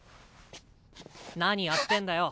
何やってんだよ。